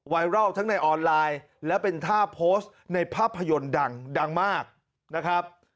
ไวรัลทั้งในออนไลน์และเป็นท่าโพสต์ในภาพยนตร์ดังดังมากนะครับ